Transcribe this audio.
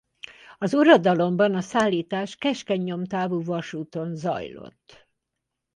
Az uradalomban a szállítás keskeny nyomtávú vasúton zajlott.